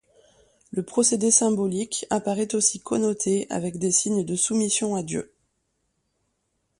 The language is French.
Le procédé symbolique apparaît aussi connoté avec les signes de soumission à Dieu.